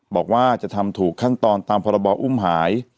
บอกว่าจะทำถูกขั้นตอนตามพรบอุ้มหาย